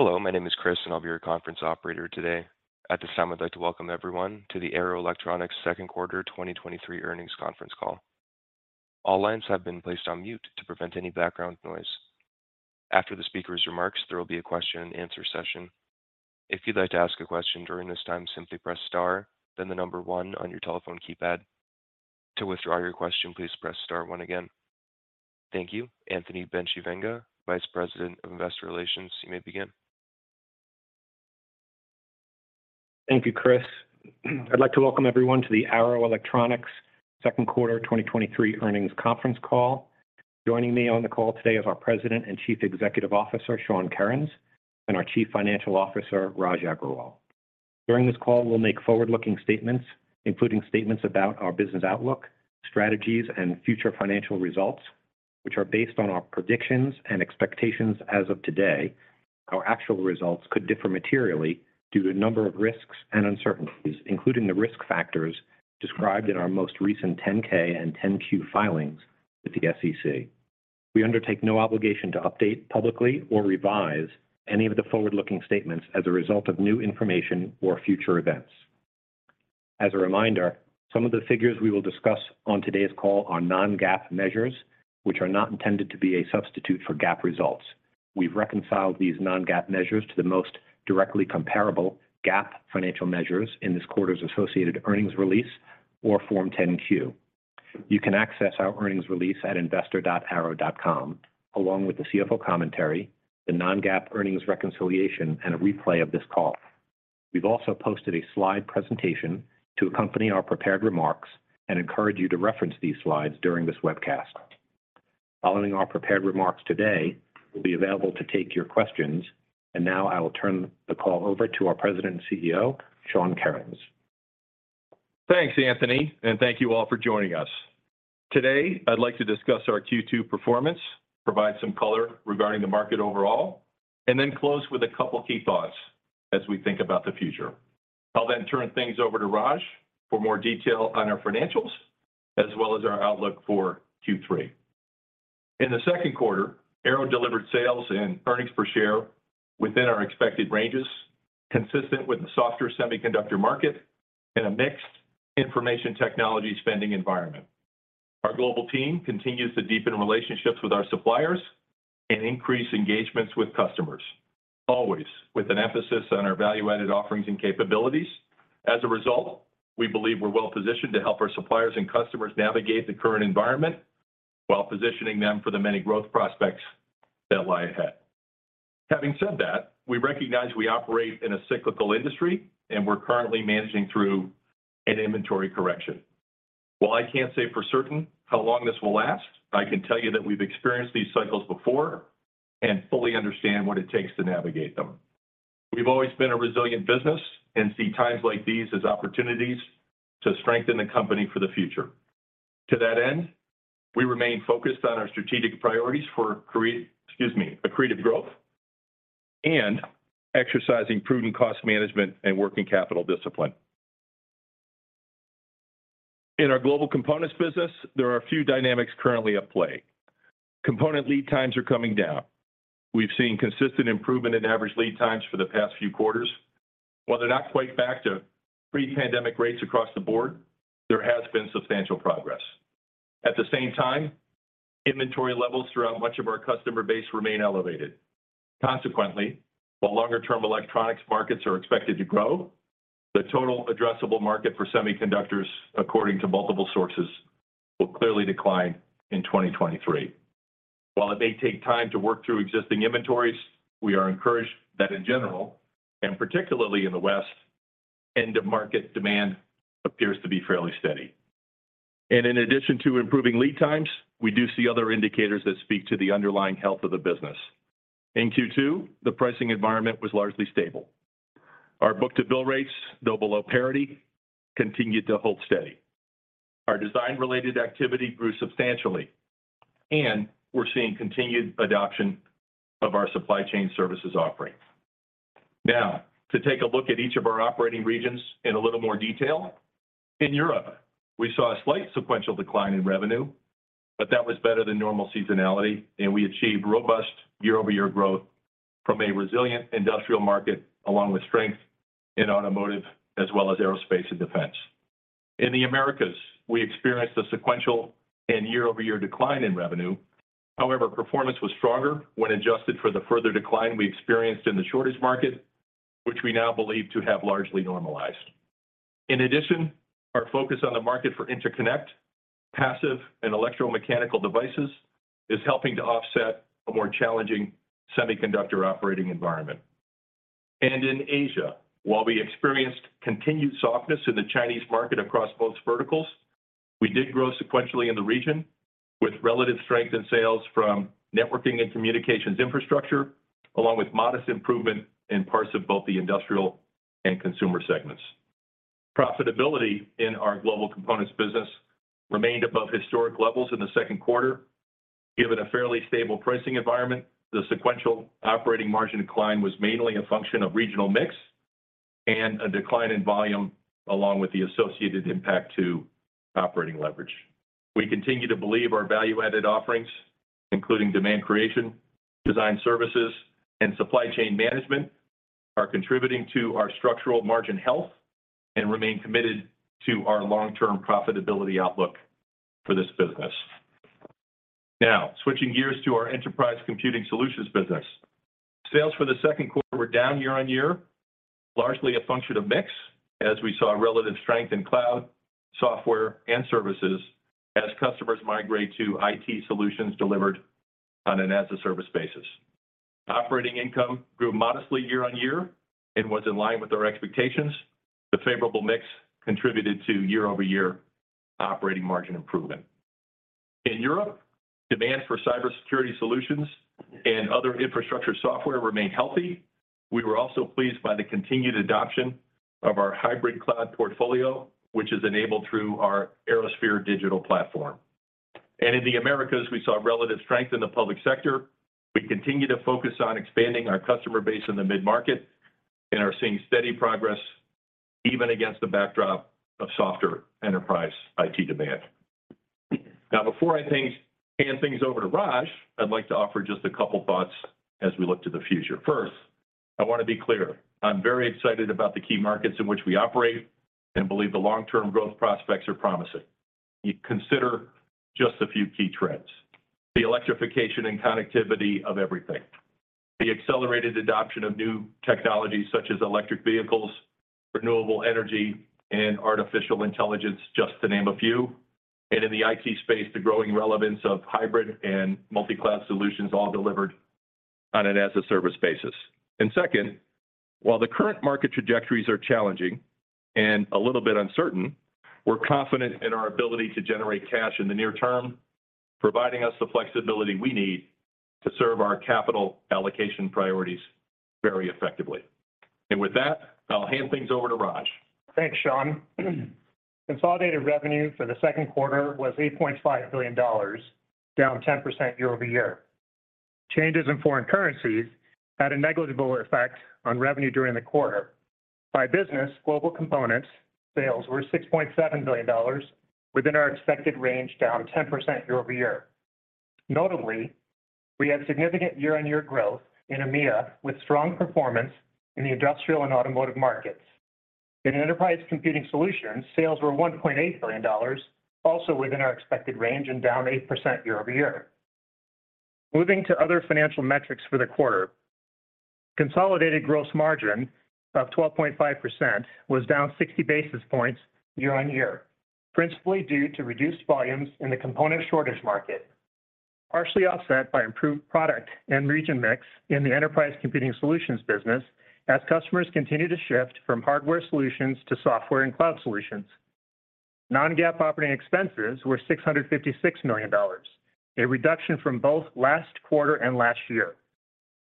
Hello, my name is Chris. I'll be your conference operator today. At this time, I'd like to welcome everyone to the Arrow Electronics second quarter 2023 earnings conference call. All lines have been placed on mute to prevent any background noise. After the speaker's remarks, there will be a question and answer session. If you'd like to ask a question during this time, simply press star, then 1 on your telephone keypad. To withdraw your question, please press star 1 again. Thank you. Anthony Bencivenga, Vice President of Investor Relations, you may begin. Thank you, Chris. I'd like to welcome everyone to the Arrow Electronics second quarter 2023 earnings conference call. Joining me on the call today is our President and Chief Executive Officer, Sean Kerins, and our Chief Financial Officer, Raj Agrawal. During this call, we'll make forward-looking statements, including statements about our business outlook, strategies, and future financial results, which are based on our predictions and expectations as of today. Our actual results could differ materially due to a number of risks and uncertainties, including the risk factors described in our most recent 10-K and 10-Q filings with the SEC. We undertake no obligation to update publicly or revise any of the forward-looking statements as a result of new information or future events. As a reminder, some of the figures we will discuss on today's call are non-GAAP measures, which are not intended to be a substitute for GAAP results. We've reconciled these non-GAAP measures to the most directly comparable GAAP financial measures in this quarter's associated earnings release or Form 10-Q. You can access our earnings release at investor.arrow.com, along with the CFO Commentary, the non-GAAP earnings reconciliation, and a replay of this call. We've also posted a slide presentation to accompany our prepared remarks and encourage you to reference these slides during this webcast. Following our prepared remarks today, we'll be available to take your questions, and now I will turn the call over to our President and CEO, Sean Kerins. Thanks, Anthony, and thank you all for joining us. Today, I'd like to discuss our Q2 performance, provide some color regarding the market overall, and then close with a couple of key thoughts as we think about the future. I'll turn things over to Raj for more detail on our financials, as well as our outlook for Q3. In the second quarter, Arrow delivered sales and earnings per share within our expected ranges, consistent with the softer semiconductor market and a mixed information technology spending environment. Our global team continues to deepen relationships with our suppliers and increase engagements with customers, always with an emphasis on our value-added offerings and capabilities. As a result, we believe we're well-positioned to help our suppliers and customers navigate the current environment while positioning them for the many growth prospects that lie ahead. Having said that, we recognize we operate in a cyclical industry, and we're currently managing through an inventory correction. While I can't say for certain how long this will last, I can tell you that we've experienced these cycles before. and fully understand what it takes to navigate them. We've always been a resilient business and see times like these as opportunities to strengthen the company for the future. To that end, we remain focused on our strategic priorities for excuse me, accretive growth and exercising prudent cost management and working capital discipline. In our Global Components business, there are a few dynamics currently at play. Component lead times are coming down. We've seen consistent improvement in average lead times for the past few quarters. While they're not quite back to pre-pandemic rates across the board, there has been substantial progress. At the same time, inventory levels throughout much of our customer base remain elevated. Consequently, while longer-term electronics markets are expected to grow, the total addressable market for semiconductors, according to multiple sources, will clearly decline in 2023. While it may take time to work through existing inventories, we are encouraged that in general, and particularly in the West, end-market demand appears to be fairly steady. In addition to improving lead times, we do see other indicators that speak to the underlying health of the business. In Q2, the pricing environment was largely stable. Our book-to-bill rates, though below parity, continued to hold steady. Our design-related activity grew substantially, and we're seeing continued adoption of our Supply Chain Services offerings. To take a look at each of our operating regions in a little more detail. In Europe, we saw a slight sequential decline in revenue, but that was better than normal seasonality, and we achieved robust year-over-year growth from a resilient industrial market, along with strength in automotive, as well as aerospace and defense. In the Americas, we experienced a sequential and year-over-year decline in revenue. However, performance was stronger when adjusted for the further decline we experienced in the shortage market, which we now believe to have largely normalized. In addition, our focus on the market for interconnect, passive and electromechanical devices, is helping to offset a more challenging semiconductor operating environment. In Asia, while we experienced continued softness in the Chinese market across both verticals, we did grow sequentially in the region with relative strength in sales from networking and communications infrastructure, along with modest improvement in parts of both the industrial and consumer segments. Profitability in our Global Components business remained above historic levels in the second quarter. Given a fairly stable pricing environment, the sequential operating margin decline was mainly a function of regional mix-... and a decline in volume, along with the associated impact to operating leverage. We continue to believe our value-added offerings, including demand creation, design services, and supply chain management, are contributing to our structural margin health and remain committed to our long-term profitability outlook for this business. Now, switching gears to our Enterprise Computing Solutions business. Sales for the second quarter were down year-on-year, largely a function of mix, as we saw relative strength in cloud, software, and services as customers migrate to IT solutions delivered on an as-a-service basis. Operating income grew modestly year-on-year and was in line with our expectations. The favorable mix contributed to year-over-year operating margin improvement. In Europe, demand for cybersecurity solutions and other infrastructure software remained healthy. We were also pleased by the continued adoption of our hybrid cloud portfolio, which is enabled through our ArrowSphere digital platform. In the Americas, we saw relative strength in the public sector. We continue to focus on expanding our customer base in the mid-market and are seeing steady progress even against the backdrop of softer enterprise IT demand. Now, before I hand things over to Raj, I'd like to offer just a couple thoughts as we look to the future. First, I want to be clear, I'm very excited about the key markets in which we operate and believe the long-term growth prospects are promising. You consider just a few key trends: the electrification and connectivity of everything, the accelerated adoption of new technologies such as electric vehicles, renewable energy, and artificial intelligence, just to name a few. In the IT space, the growing relevance of hybrid and multi-cloud solutions, all delivered on an as-a-service basis. Second, while the current market trajectories are challenging and a little bit uncertain, we're confident in our ability to generate cash in the near term, providing us the flexibility we need to serve our capital allocation priorities very effectively. With that, I'll hand things over to Raj. Thanks, Sean. Consolidated revenue for the second quarter was $8.5 billion, down 10% year-over-year. Changes in foreign currencies had a negligible effect on revenue during the quarter. By business, Global Components, sales were $6.7 billion, within our expected range, down 10% year-over-year. Notably, we had significant year-on-year growth in EMEA, with strong performance in the industrial and automotive markets. In Enterprise Computing Solutions, sales were $1.8 billion, also within our expected range and down 8% year-over-year. Moving to other financial metrics for the quarter. Consolidated gross margin of 12.5% was down 60 basis points year-on-year, principally due to reduced volumes in the component shortage market, partially offset by improved product and region mix in the Enterprise Computing Solutions business as customers continue to shift from hardware solutions to software and cloud solutions. Non-GAAP operating expenses were $656 million, a reduction from both last quarter and last year.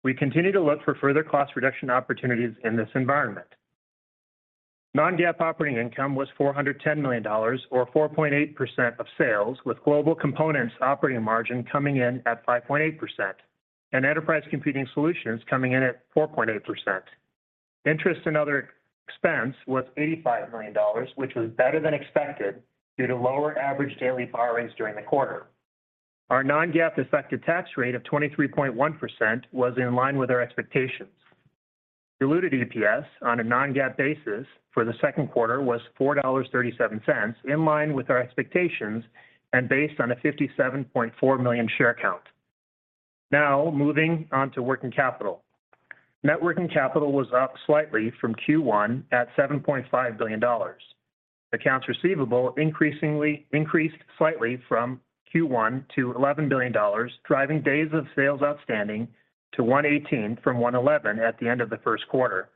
We continue to look for further cost reduction opportunities in this environment. Non-GAAP operating income was $410 million or 4.8% of sales, with Global Components operating margin coming in at 5.8%, and Enterprise Computing Solutions coming in at 4.8%. Interest and other expense was $85 million, which was better than expected due to lower average daily borrowings during the quarter. Our non-GAAP effective tax rate of 23.1% was in line with our expectations. Diluted EPS on a non-GAAP basis for the second quarter was $4.37, in line with our expectations and based on a 57.4 million share count. Moving on to working capital. Net working capital was up slightly from Q1 at $7.5 billion. Accounts receivable increased slightly from Q1 to $11 billion, driving days of sales outstanding to 118 from 111 at the end of the first quarter.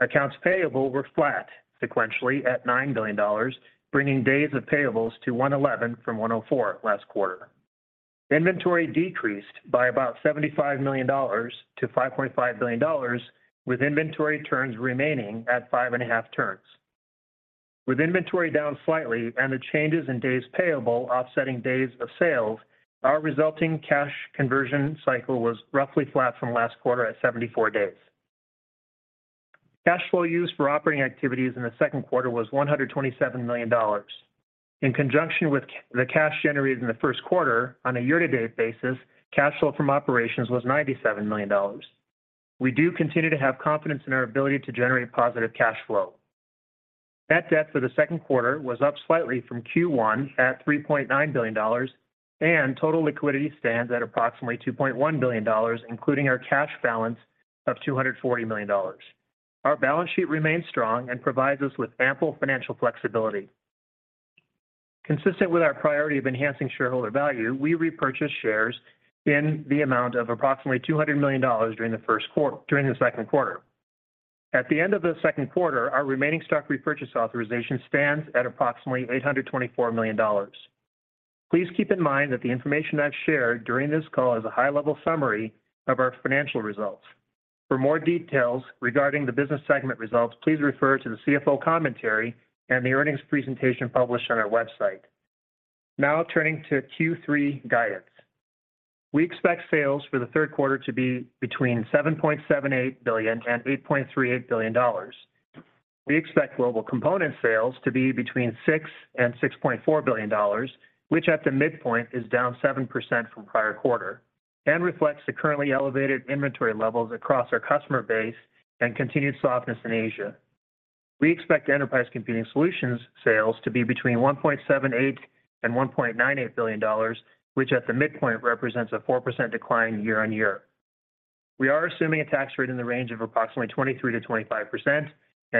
Accounts payable were flat sequentially at $9 billion, bringing days of payables to 111 from 104 last quarter. Inventory decreased by about $75 million to $5.5 billion, with inventory turns remaining at 5.5 turns. With inventory down slightly and the changes in days payable offsetting days of sales, our resulting cash conversion cycle was roughly flat from last quarter at 74 days. Cash flow use for operating activities in the second quarter was $127 million. In conjunction with the cash generated in the first quarter, on a year-to-date basis, cash flow from operations was $97 million. We do continue to have confidence in our ability to generate positive cash flow. Net debt for the second quarter was up slightly from Q1 at $3.9 billion, and total liquidity stands at approximately $2.1 billion, including our cash balance of $240 million. Our balance sheet remains strong and provides us with ample financial flexibility. Consistent with our priority of enhancing shareholder value, we repurchased shares in the amount of approximately $200 million during the second quarter. At the end of the second quarter, our remaining stock repurchase authorization stands at approximately $824 million. Please keep in mind that the information I've shared during this call is a high-level summary of our financial results. For more details regarding the business segment results, please refer to the CFO commentary and the earnings presentation published on our website. Now turning to Q3 guidance. We expect sales for the third quarter to be between $7.78 billion and $8.38 billion. We expect Global Components sales to be between $6 billion, and $6.4 billion, which at the midpoint is down 7% from prior quarter, reflects the currently elevated inventory levels across our customer base and continued softness in Asia. We expect Enterprise Computing Solutions sales to be between $1.78 billion and $1.98 billion, which at the midpoint represents a 4% decline year-on-year. We are assuming a tax rate in the range of approximately 23%-25%,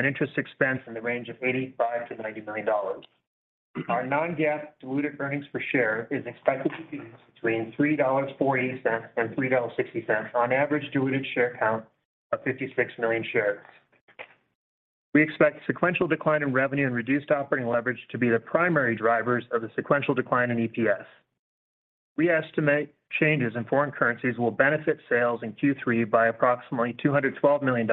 Interest expense in the range of $85 million-$90 million. Our non-GAAP diluted earnings per share is expected to be between $3.40 and $3.60 on average diluted share count of 56 million shares. We expect sequential decline in revenue and reduced operating leverage to be the primary drivers of the sequential decline in EPS. We estimate changes in foreign currencies will benefit sales in Q3 by approximately $212 million,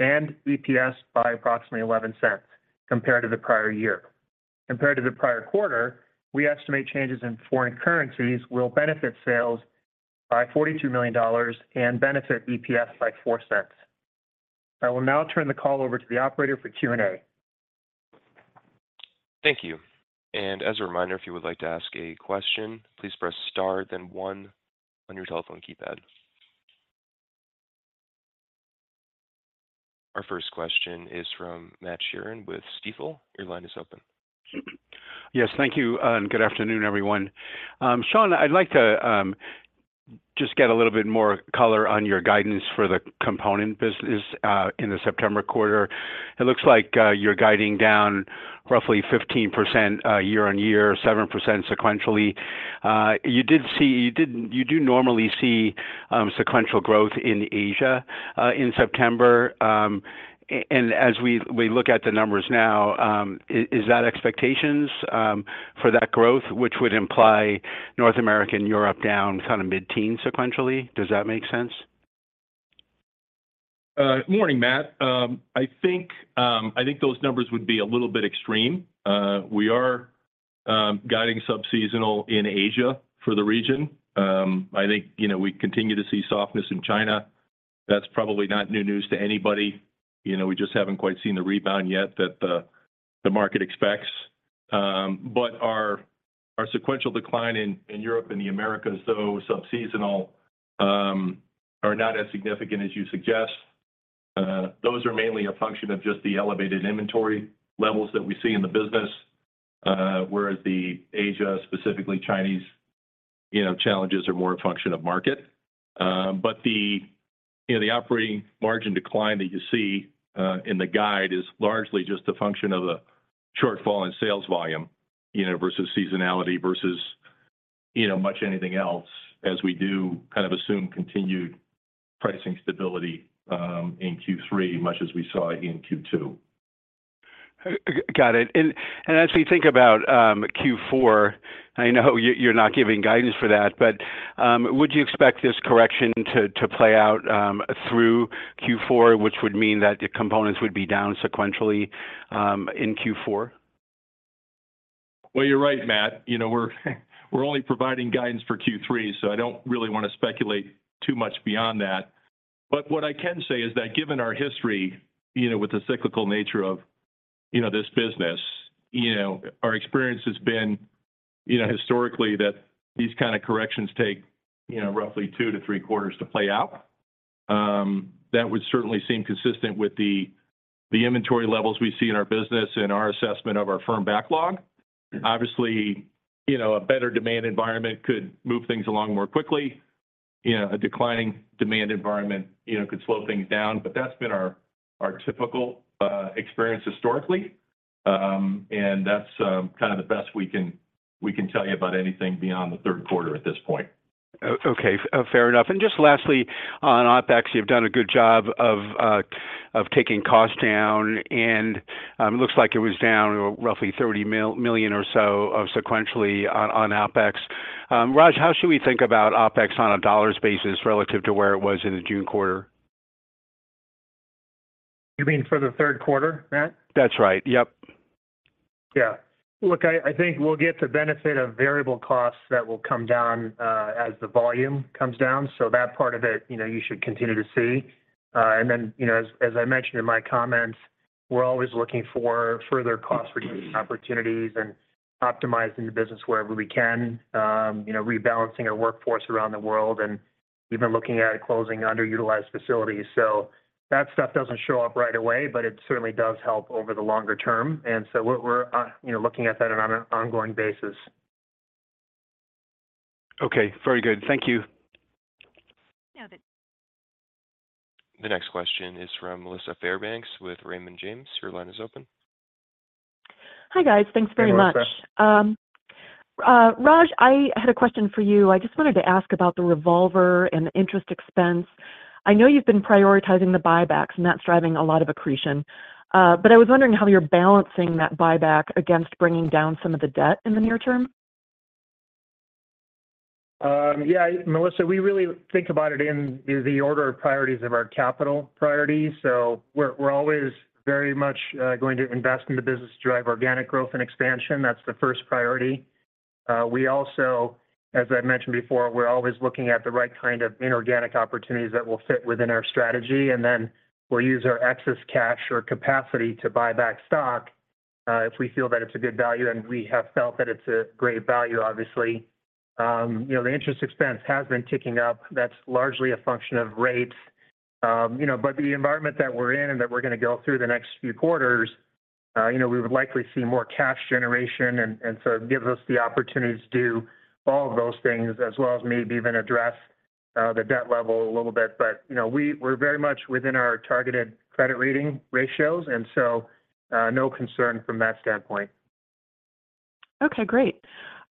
and EPS by approximately $0.11 compared to the prior year. Compared to the prior quarter, we estimate changes in foreign currencies will benefit sales by $42 million and benefit EPS by $0.04. I will now turn the call over to the operator for Q&A. Thank you. As a reminder, if you would like to ask a question, please press star then one on your telephone keypad. Our first question is from Matt Sheerin with Stifel. Your line is open. Yes, thank you, and good afternoon, everyone. Sean, I'd like to just get a little bit more color on your guidance for the component business in the September quarter. It looks like you're guiding down roughly 15% year-over-year, 7% sequentially. You did, you do normally see sequential growth in Asia in September. As we, we look at the numbers now, is that expectations for that growth, which would imply North America and Europe down kind of mid-teen sequentially? Does that make sense? Morning, Matt. I think those numbers would be a little bit extreme. We are guiding sub seasonal in Asia for the region. I think, you know, we continue to see softness in China. That's probably not new news to anybody. You know, we just haven't quite seen the rebound yet that the market expects. Our sequential decline in Europe and the Americas, though sub seasonal, are not as significant as you suggest. Those are mainly a function of just the elevated inventory levels that we see in the business, whereas the Asia, specifically Chinese, you know, challenges are more a function of market. The, you know, the operating margin decline that you see in the guide is largely just a function of a shortfall in sales volume, you know, versus seasonality, versus, you know, much anything else, as we do kind of assume continued pricing stability in Q3, much as we saw in Q2. Got it. As we think about Q4, I know you're, you're not giving guidance for that, but would you expect this correction to, to play out through Q4, which would mean that the components would be down sequentially in Q4? Well, you're right, Matt. You know, we're, we're only providing guidance for Q3, so I don't really want to speculate too much beyond that. What I can say is that, given our history, you know, with the cyclical nature of, you know, this business, you know, our experience has been, you know, historically, that these kind of corrections take, you know, roughly 2 to 3 quarters to play out. That would certainly seem consistent with the, the inventory levels we see in our business and our assessment of our firm backlog. Obviously, you know, a better demand environment could move things along more quickly. You know, a declining demand environment, you know, could slow things down, but that's been our, our typical experience historically. That's kind of the best we can, we can tell you about anything beyond the third quarter at this point. Fair enough. Just lastly, on OpEx, you've done a good job of taking costs down, and it looks like it was down roughly $30 million or so of sequentially on OpEx. Raj, how should we think about OpEx on a dollars basis relative to where it was in the Q2? You mean for the third quarter, Matt? That's right. Yep. Yeah. Look, I, I think we'll get the benefit of variable costs that will come down, as the volume comes down. That part of it, you know, you should continue to see. Then, you know, as, as I mentioned in my comments, we're always looking for further cost reduction opportunities and optimizing the business wherever we can. You know, rebalancing our workforce around the world, and even looking at closing underutilized facilities. That stuff doesn't show up right away, but it certainly does help over the longer term. So we're, we're, you know, looking at that on an ongoing basis. Okay. Very good. Thank you. The next question is from Melissa Fairbanks with Raymond James. Your line is open. Hi, guys. Thanks very much. Hey, Melissa. Raj, I had a question for you. I just wanted to ask about the revolver and the interest expense. I know you've been prioritizing the buybacks, and that's driving a lot of accretion, but I was wondering how you're balancing that buyback against bringing down some of the debt in the near term? Yeah, Melissa, we really think about it in the order of priorities of our capital priorities. We're, we're always very much going to invest in the business to drive organic growth and expansion. That's the first priority. We also, as I've mentioned before, we're always looking at the right kind of inorganic opportunities that will fit within our strategy, and then we'll use our excess cash or capacity to buy back stock if we feel that it's a good value, and we have felt that it's a great value, obviously. You know, the interest expense has been ticking up. That's largely a function of rates. You know, the environment that we're in and that we're gonna go through the next few quarters, you know, we would likely see more cash generation and, and sort of give us the opportunity to do all of those things, as well as maybe even address, the debt level a little bit. You know, we're very much within our targeted credit rating ratios, and so, no concern from that standpoint. Okay, great.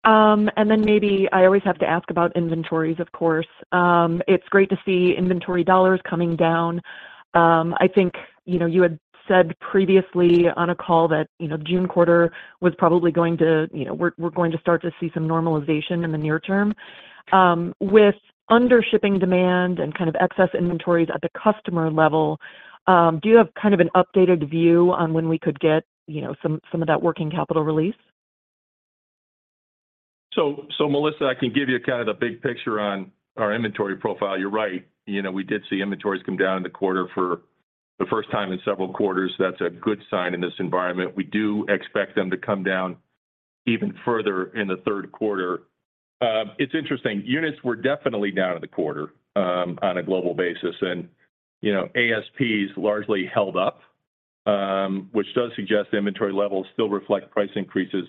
Then maybe I always have to ask about inventories, of course. It's great to see inventory dollars coming down. I think, you know, you had said previously on a call that, you know, June quarter was probably going to... You know, we're, we're going to start to see some normalization in the near term. With under shipping demand and kind of excess inventories at the customer level, do you have kind of an updated view on when we could get, you know, some, some of that working capital release? Melissa, I can give you kind of the big picture on our inventory profile. You're right, you know, we did see inventories come down in the quarter for the first time in several quarters. That's a good sign in this environment. We do expect them to come down even further in the third quarter. It's interesting, units were definitely down in the quarter on a global basis, and, you know, ASPs largely held up, which does suggest inventory levels still reflect price increases,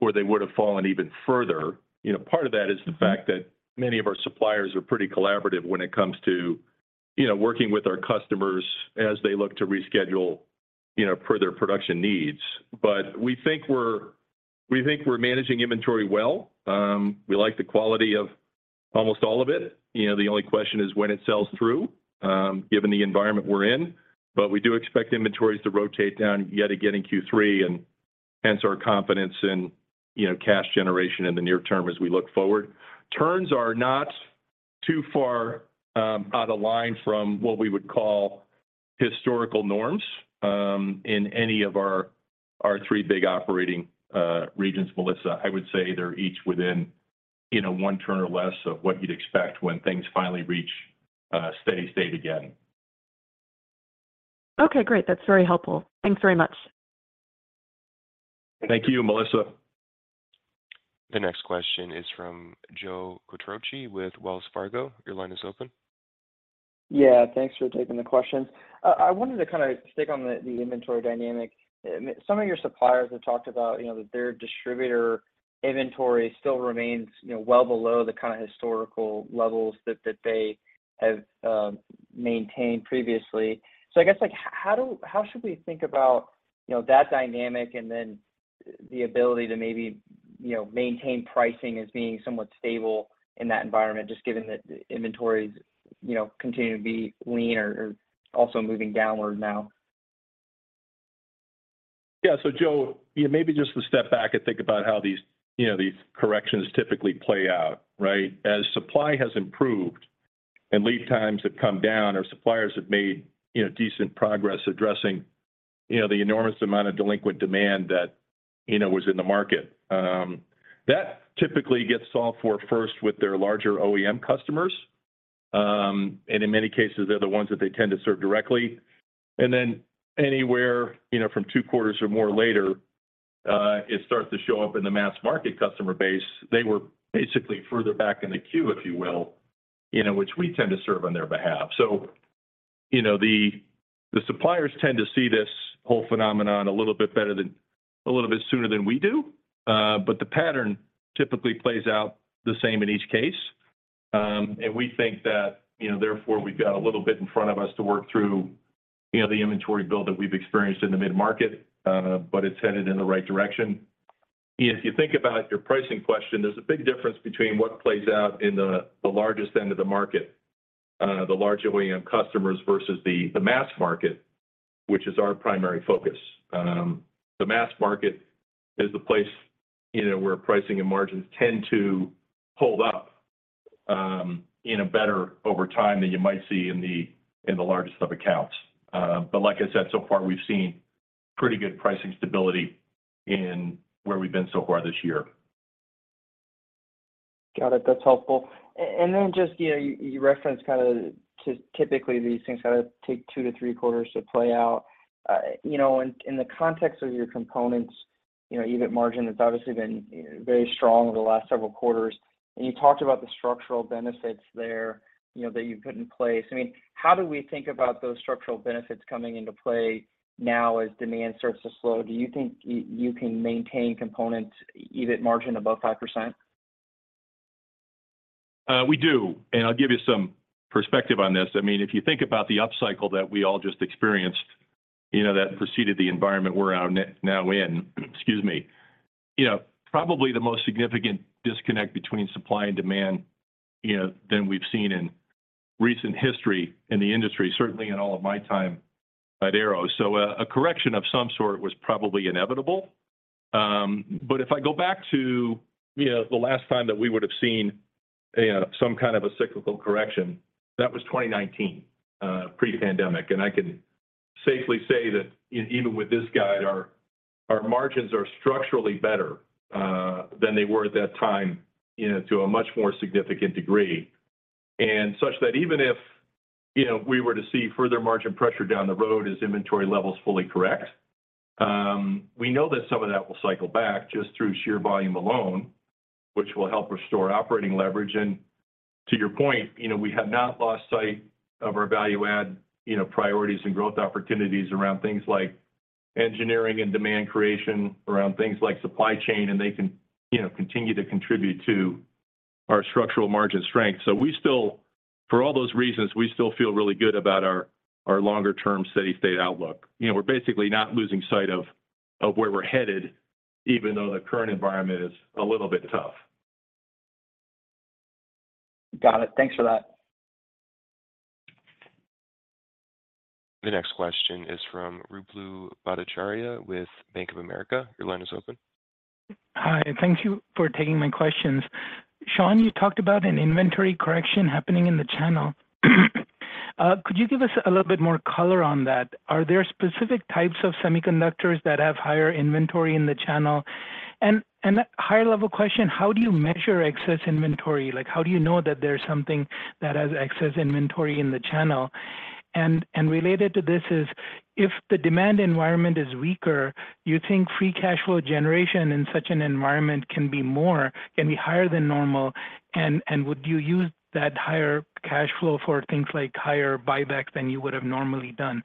or they would have fallen even further. You know, part of that is the fact that many of our suppliers are pretty collaborative when it comes to, you know, working with our customers as they look to reschedule, you know, per their production needs. We think we're managing inventory well. We like the quality of almost all of it. You know, the only question is when it sells through, given the environment we're in, but we do expect inventories to rotate down yet again in Q3, and hence our confidence in, you know, cash generation in the near term as we look forward. Turns are not too far out of line from what we would call historical norms, in any of our, our three big operating regions, Melissa. I would say they're each within, you know, 1 turn or less of what you'd expect when things finally reach steady state again. Okay, great. That's very helpful. Thanks very much. Thank you, Melissa. The next question is from Joe Quatrochi with Wells Fargo. Your line is open. Yeah, thanks for taking the question. I wanted to kind of stick on the, the inventory dynamic. Some of your suppliers have talked about, you know, that their distributor inventory still remains, you know, well below the kind of historical levels that, that they have maintained previously. I guess, like, how should we think about, you know, that dynamic and then the ability to maybe, you know, maintain pricing as being somewhat stable in that environment, just given that the inventories, you know, continue to be lean or, or also moving downward now? Yeah. Joe, yeah, maybe just to step back and think about how these, you know, these corrections typically play out, right? As supply has improved and lead times have come down, our suppliers have made, you know, decent progress addressing, you know, the enormous amount of delinquent demand that, you know, was in the market. That typically gets solved for first with their larger OEM customers. In many cases, they're the ones that they tend to serve directly. Then anywhere, you know, from 2 quarters or more later, it starts to show up in the mass market customer base. They were basically further back in the queue, if you will, you know, which we tend to serve on their behalf. You know, the, the suppliers tend to see this whole phenomenon a little bit better than a little bit sooner than we do. The pattern typically plays out the same in each case. We think that, you know, therefore, we've got a little bit in front of us to work through, you know, the inventory build that we've experienced in the mid-market. It's headed in the right direction. If you think about your pricing question, there's a big difference between what plays out in the, the largest end of the market, the larger OEM customers versus the, the mass market, which is our primary focus. The mass market is the place, you know, where pricing and margins tend to hold up in a better over time than you might see in the, in the largest of accounts. Like I said, so far, we've seen pretty good pricing stability in where we've been so far this year. Got it. That's helpful. Then just, you know, you, you referenced kind of to typically these things kind of take 2-3 quarters to play out. You know, in, in the context of your Global Components, you know, EBIT margin, it's obviously been very strong over the last several quarters, and you talked about the structural benefits there, you know, that you've put in place. I mean, how do we think about those structural benefits coming into play now as demand starts to slow? Do you think you, you can maintain Global Components, EBIT margin above 5%? we do, and I'll give you some perspective on this. I mean, if you think about the upcycle that we all just experienced, you know, that preceded the environment we're out now in, excuse me. You know, probably the most significant disconnect between supply and demand, you know, than we've seen in recent history in the industry, certainly in all of my time at Arrow. A correction of some sort was probably inevitable. If I go back to, you know, the last time that we would have seen, some kind of a cyclical correction, that was 2019, pre-pandemic. I can safely say that even with this guide, our, our margins are structurally better, than they were at that time, you know, to a much more significant degree. Such that even if, you know, we were to see further margin pressure down the road as inventory levels fully correct, we know that some of that will cycle back just through sheer volume alone, which will help restore operating leverage. To your point, you know, we have not lost sight of our value add, you know, priorities and growth opportunities around things like engineering and demand creation, around things like supply chain, and they can, you know, continue to contribute to our structural margin strength. For all those reasons, we still feel really good about our, our longer term steady state outlook. You know, we're basically not losing sight of where we're headed, even though the current environment is a little bit tough. Got it. Thanks for that. The next question is from Ruplu Bhattacharya with Bank of America. Your line is open. Hi, and thank you for taking my questions. Sean, you talked about an inventory correction happening in the channel. Could you give us a little bit more color on that? Are there specific types of semiconductors that have higher inventory in the channel? A higher level question, how do you measure excess inventory? Like, how do you know that there's something that has excess inventory in the channel? Related to this is, if the demand environment is weaker, you think free cash flow generation in such an environment can be more, can be higher than normal, and would you use that higher cash flow for things like higher buybacks than you would have normally done?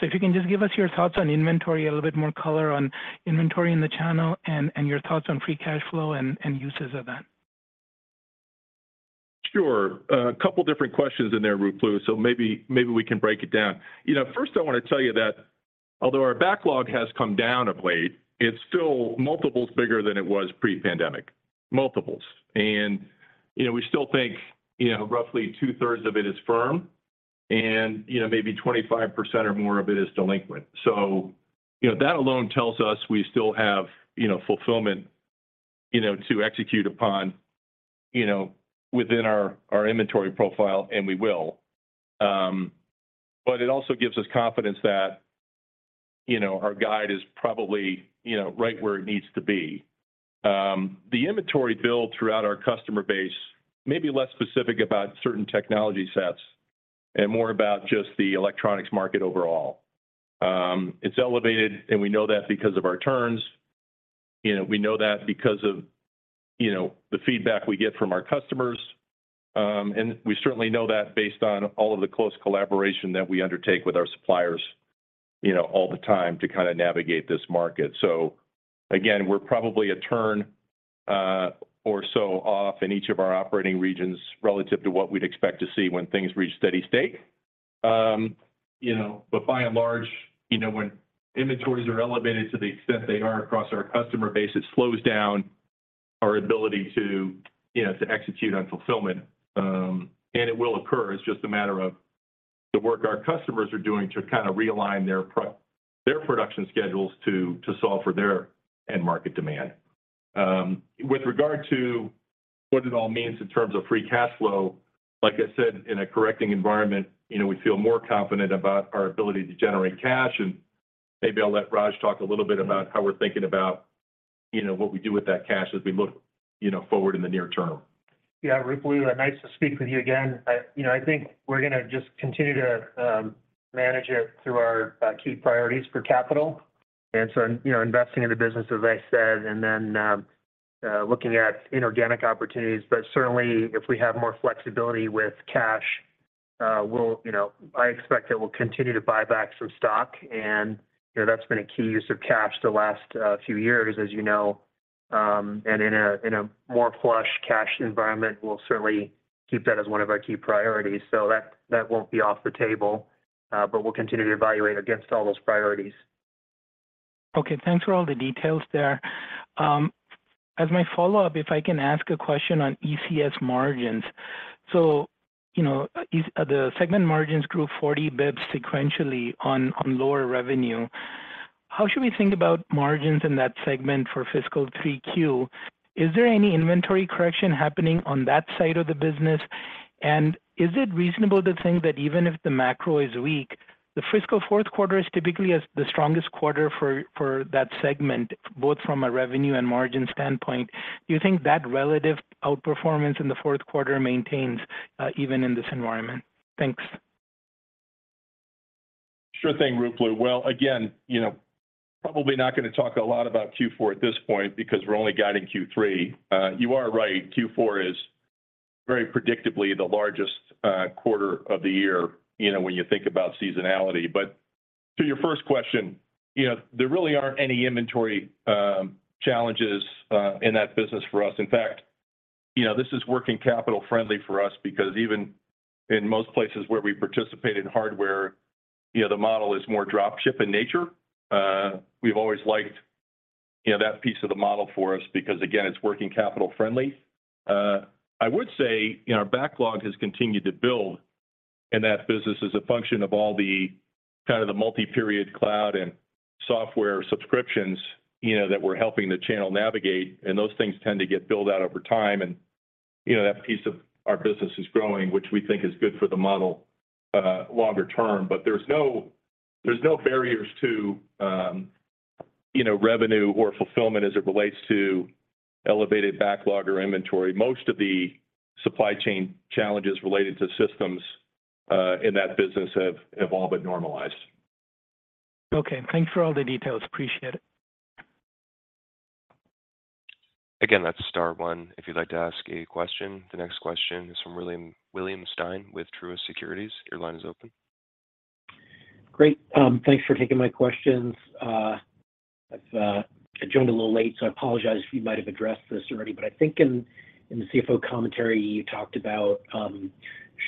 If you can just give us your thoughts on inventory, a little bit more color on inventory in the channel, and, and your thoughts on free cash flow and, and uses of that. Sure. A couple of different questions in there, Ruplu, so maybe, maybe we can break it down. You know, first, I want to tell you that although our backlog has come down of late, it's still multiples bigger than it was pre-pandemic. Multiples. You know, we still think, you know, roughly two-thirds of it is firm, and, you know, maybe 25% or more of it is delinquent. You know, that alone tells us we still have, you know, fulfillment, you know, to execute upon, you know, within our, our inventory profile, and we will. It also gives us confidence that, you know, our guide is probably, you know, right where it needs to be. The inventory build throughout our customer base may be less specific about certain technology sets and more about just the electronics market overall. It's elevated, and we know that because of our turns. You know, we know that because of, you know, the feedback we get from our customers. We certainly know that based on all of the close collaboration that we undertake with our suppliers, you know, all the time to kind of navigate this market. Again, we're probably a turn or so off in each of our operating regions relative to what we'd expect to see when things reach steady state. You know, by and large, you know, when inventories are elevated to the extent they are across our customer base, it slows down our ability to, you know, to execute on fulfillment. It will occur. It's just a matter of the work our customers are doing to kind of realign their production schedules to, to solve for their end-market demand. With regard to what it all means in terms of free cash flow, like I said, in a correcting environment, you know, we feel more confident about our ability to generate cash, and maybe I'll let Raj talk a little bit about how we're thinking about, you know, what we do with that cash as we look, you know, forward in the near term. Yeah, Ruplu, nice to speak with you again. You know, I think we're gonna just continue to manage it through our key priorities for capital. You know, investing in the business, as I said, and then looking at inorganic opportunities. Certainly, if we have more flexibility with cash, we'll. You know, I expect that we'll continue to buy back some stock, and, you know, that's been a key use of cash the last few years, as you know. In a, in a more flush cash environment, we'll certainly keep that as one of our key priorities. That, that won't be off the table, but we'll continue to evaluate against all those priorities. Okay, thanks for all the details there. As my follow-up, if I can ask a question on ECS margins. You know, the segment margins grew 40 basis points sequentially on lower revenue. How should we think about margins in that segment for fiscal three Q? Is there any inventory correction happening on that side of the business? Is it reasonable to think that even if the macro is weak, the fiscal fourth quarter is typically as the strongest quarter for, for that segment, both from a revenue and margin standpoint? Do you think that relative outperformance in the fourth quarter maintains, even in this environment? Thanks. Sure thing, Ruplu. Well, again, you know, probably not going to talk a lot about Q4 at this point because we're only guiding Q3. You are right, Q4 is very predictably the largest quarter of the year, you know, when you think about seasonality. To your first question, you know, there really aren't any inventory challenges in that business for us. In fact, you know, this is working capital-friendly for us because even in most places where we participate in hardware, you know, the model is more drop-ship in nature. We've always liked, you know, that piece of the model for us because, again, it's working capital-friendly. I would say, you know, our backlog has continued to build, and that business is a function of all the kind of the multi-period cloud and software subscriptions, you know, that we're helping the channel navigate, and those things tend to get billed out over time. You know, that piece of our business is growing, which we think is good for the model, longer term. There's no, there's no barriers to, you know, revenue or fulfillment as it relates to elevated backlog or inventory. Most of the supply chain challenges related to systems in that business have, have all but normalized. Okay, thanks for all the details. Appreciate it. Again, that's star one if you'd like to ask a question. The next question is from William Stein with Truist Securities. Your line is open. Great, thanks for taking my questions. I've, I joined a little late, so I apologize if you might have addressed this already. I think in, in the CFO commentary, you talked about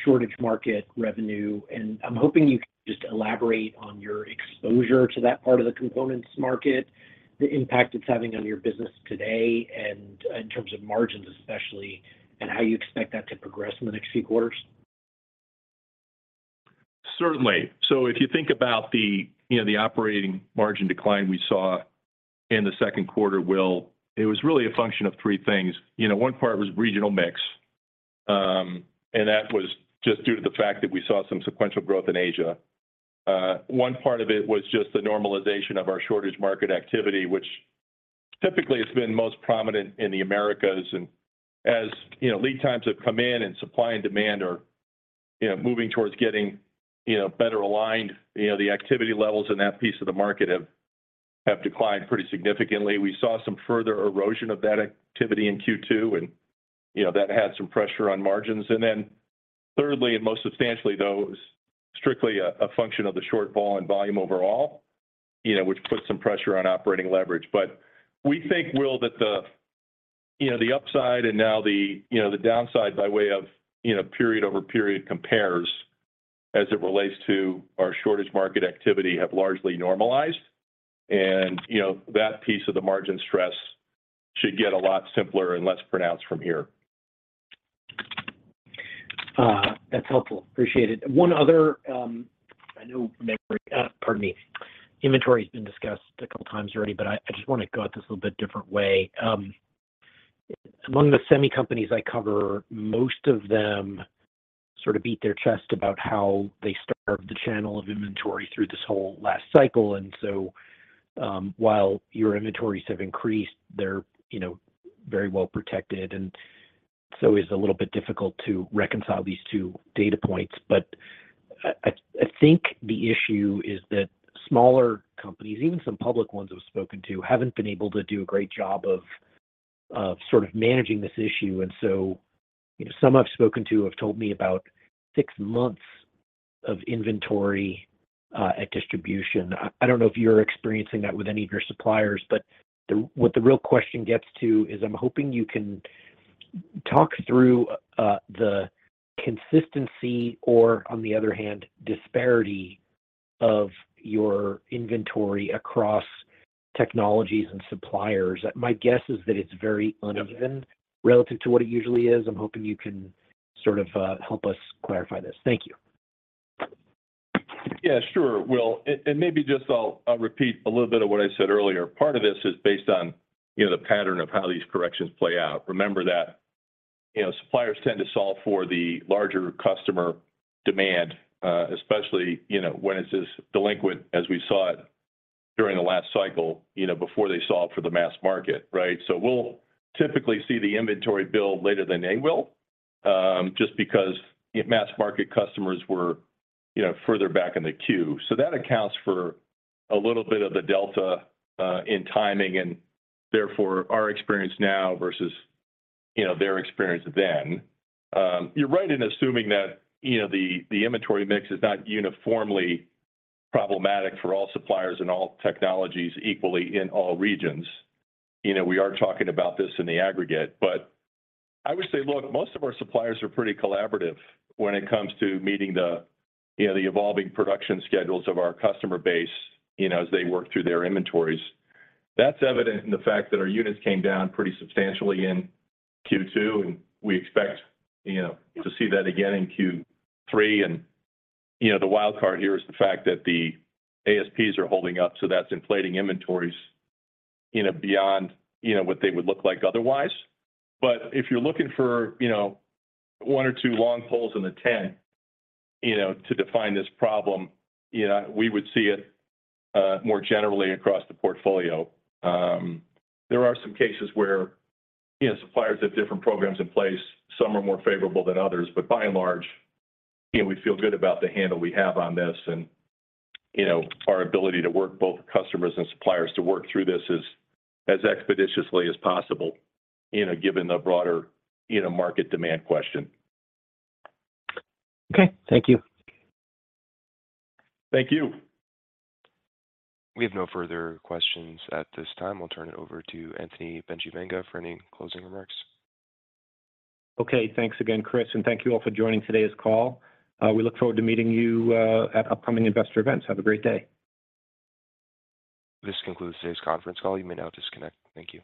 shortage market revenue, and I'm hoping you can just elaborate on your exposure to that part of the components market, the impact it's having on your business today, and in terms of margins especially, and how you expect that to progress in the next few quarters. Certainly. If you think about the, you know, the operating margin decline we saw in the second quarter, Will, it was really a function of three things. You know, one part was regional mix, and that was just due to the fact that we saw some sequential growth in Asia. One part of it was just the normalization of our shortage market activity, which typically has been most prominent in the Americas. As, you know, lead times have come in and supply and demand are, you know, moving towards getting, you know, better aligned, you know, the activity levels in that piece of the market have, have declined pretty significantly. We saw some further erosion of that activity in Q2, and, you know, that had some pressure on margins. Then thirdly, and most substantially, though, it was strictly a, a function of the short fall in volume overall, you know, which put some pressure on operating leverage. We think, Will, that the, you know, the upside and now the, you know, the downside by way of, you know, period-over-period compares as it relates to our shortage market activity have largely normalized. You know, that piece of the margin stress should get a lot simpler and less pronounced from here. That's helpful. Appreciate it. One other, I know, pardon me. Inventory has been discussed a couple times already, but I, I just want to go at this a little bit different way. Among the semi companies I cover, most of them sort of beat their chest about how they starved the channel of inventory through this whole last cycle, and so, while your inventories have increased, they're, you know, very well protected. It's a little bit difficult to reconcile these two data points. I, I, I think the issue is that smaller companies, even some public ones I've spoken to, haven't been able to do a great job of, of sort of managing this issue. You know, some I've spoken to have told me about six months of inventory at distribution. I, I don't know if you're experiencing that with any of your suppliers. What the real question gets to is I'm hoping you can talk through, the consistency or, on the other hand, disparity of your inventory across technologies and suppliers. My guess is that it's very uneven. Yeah... relative to what it usually is. I'm hoping you can sort of, help us clarify this. Thank you. Yeah, sure, Will. Maybe just I'll repeat a little bit of what I said earlier. Part of this is based on, you know, the pattern of how these corrections play out. Remember that, you know, suppliers tend to solve for the larger customer demand, especially, you know, when it's as delinquent as we saw it during the last cycle, you know, before they solved for the mass market, right? We'll typically see the inventory build later than they will, just because if mass market customers were, you know, further back in the queue. That accounts for a little bit of the delta in timing, and therefore, our experience now versus, you know, their experience then. You're right in assuming that, you know, the, the inventory mix is not uniformly problematic for all suppliers and all technologies equally in all regions. You know, we are talking about this in the aggregate, but I would say, look, most of our suppliers are pretty collaborative when it comes to meeting the, you know, the evolving production schedules of our customer base, you know, as they work through their inventories. That's evident in the fact that our units came down pretty substantially in Q2, and we expect, you know, to see that again in Q3. You know, the wild card here is the fact that the ASPs are holding up, so that's inflating inventories, you know, beyond, you know, what they would look like otherwise. If you're looking for, you know, one or two long poles in a tent, you know, to define this problem, you know, we would see it more generally across the portfolio. There are some cases where, you know, suppliers have different programs in place. Some are more favorable than others. By and large, you know, we feel good about the handle we have on this and, you know, our ability to work both customers and suppliers to work through this as, as expeditiously as possible, you know, given the broader, you know, market demand question. Okay. Thank you. Thank you. We have no further questions at this time. We'll turn it over to Anthony Bencivenga for any closing remarks. Okay. Thanks again, Chris, and thank you all for joining today's call. We look forward to meeting you at upcoming investor events. Have a great day. This concludes today's conference call. You may now disconnect. Thank you.